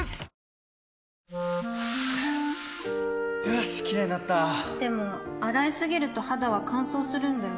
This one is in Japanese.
うわよしキレイになったでも、洗いすぎると肌は乾燥するんだよね